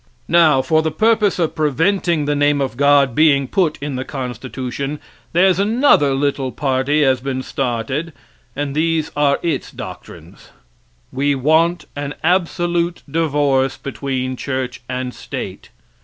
Now for the purpose of preventing the name of God being put in the constitution, there's another little party has been started and these are its doctrines: We want an absolute divorce between church and state.